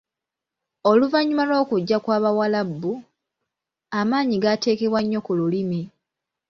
Oluvannyuma lw’okujja kw’Abawarabu, amaanyi gaateekebwa nnyo ku Lulimi.